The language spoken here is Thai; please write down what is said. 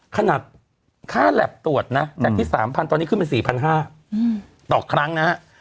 ขนาดค่าแล็บตรวจนะจากที่๓๐๐ตอนนี้ขึ้นเป็น๔๕๐๐ต่อครั้งนะฮะ